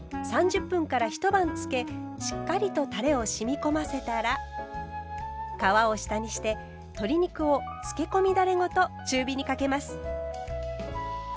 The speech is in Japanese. しっかりとたれを染み込ませたら皮を下にして鶏肉をつけ込みだれごと中火にかけます。